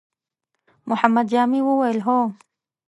محمد جامي وويل: هو!